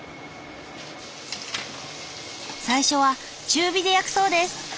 最初は中火で焼くそうです。